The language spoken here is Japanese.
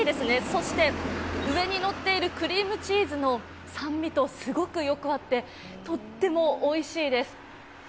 そして、上に乗っているクリームチーズの酸味とすごくよく合って、とってもおいしいです。